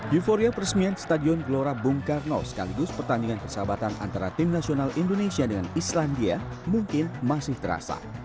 euforia peresmian stadion gelora bung karno sekaligus pertandingan persahabatan antara tim nasional indonesia dengan islandia mungkin masih terasa